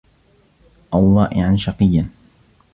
أَوْ ضَائِعًا شَقِيًّا